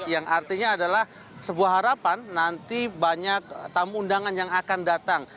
yang artinya adalah sebuah harapan nanti banyak tamu undangan yang akan datang